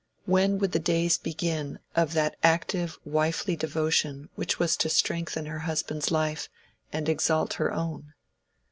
When would the days begin of that active wifely devotion which was to strengthen her husband's life and exalt her own?